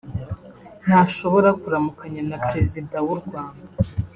ntashobora kuramukanya na President w’urwanda